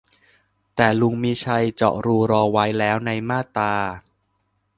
แต่ลุง มีชัย เจาะรูรอไว้แล้วในมาตรา